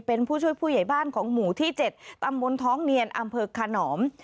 เป็นผู้ช่วยผู้ใหญ่บ้านของหมู่ที่๗ตำบลท้องเนียนอำเภอขนอม